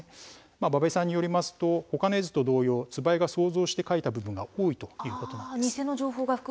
馬部さんによりますと他の絵図と同様、椿井が想像して描いた部分が多いということです。